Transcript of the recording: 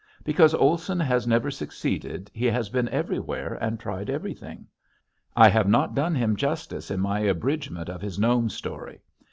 Because Olson has never succeeded he has been everywhere and tried everything. I have not done him justice in my abridgment of his Nome story.